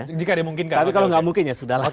tapi kalau tidak mungkin ya sudah lah